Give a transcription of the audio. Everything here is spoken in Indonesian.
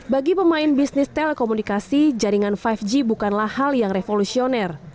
bagi pemain bisnis telekomunikasi jaringan lima g bukanlah hal yang revolusioner